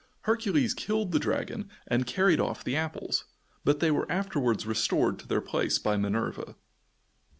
Hercules killed the dragon and carried off the apples, but they were afterwards restored to their place by Minerva.